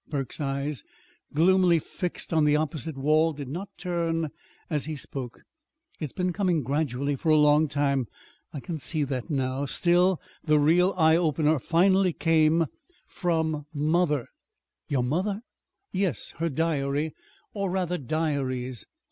Burke's eyes, gloomily fixed on the opposite wall, did not turn as he spoke. "It's been coming gradually for a long time. I can see that now. Still, the real eye opener finally came from mother." "Your mother!" "Yes, her diary or, rather, diaries.